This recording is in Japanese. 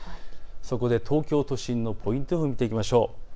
東京都心のポイント予報を見ていきましょう。